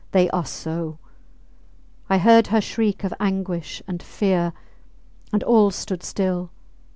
They are so! I heard her shriek of anguish and fear and all stood still!